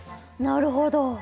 なるほど。